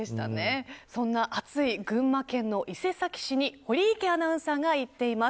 そんな暑い群馬県の伊勢崎市に堀池アナウンサーが行っています。